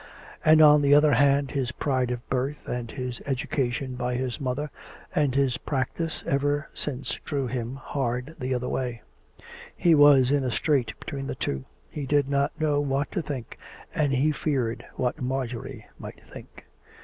And on the other hand his pride of birth and his education by his mother and his practice ever since drew him hard the other way. He was in a strait between the two. He did not know what to think, and he feared what Marjorie might think.